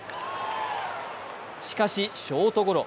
しかしショートゴロ。